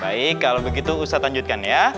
baik kalau begitu ustadz lanjutkan ya